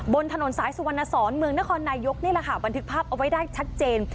บนถนนสายสุวรรณสอนเมืองนครนายกนี่แหละค่ะบันทึกภาพเอาไว้ได้ชัดเจน